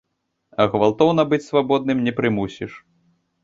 А гвалтоўна быць свабоднымі не прымусіш.